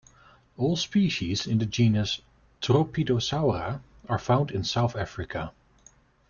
All species in the genus "Tropidosaura" are found in South Africa.